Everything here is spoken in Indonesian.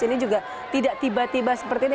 ini juga tidak tiba tiba seperti ini